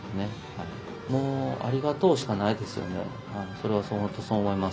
それは本当そう思います。